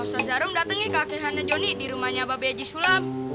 susah zarum dateng nih kakekannya jonny di rumahnya bapak b aji sulam